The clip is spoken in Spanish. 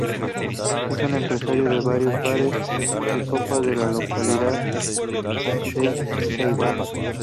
Es un empresario con varios bares de copas de la localidad de Eibar.